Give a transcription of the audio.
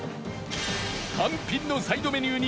単品のサイドメニュー